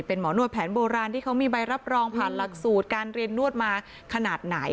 เป็นหมอนวดแผนโบราณที่เขามีใบรับรองผ่านหลักสูตรการเรียนนวดมาขนาดไหน